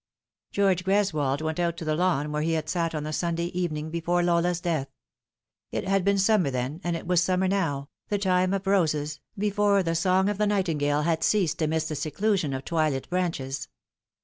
George Greswold' went out to the lawn where he had sat on the Sunday evening before Lola's death. It had been summer then, and it was summer now the time of roses, before tho song of the nightingale had ceased amidst.the seclusion of twilit branches.